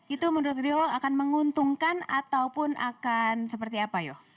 itu menurut rio akan menguntungkan ataupun akan seperti apa yoh